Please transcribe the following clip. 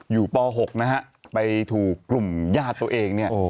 ป๖นะฮะไปถูกกลุ่มญาติตัวเองเนี่ย